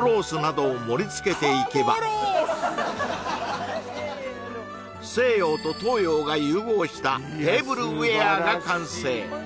ロースなどを盛りつけていけば西洋と東洋が融合したテーブルウェアが完成